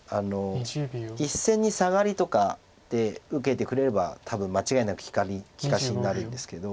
１線にサガリとかで受けてくれれば多分間違いなく利かしになるんですけど。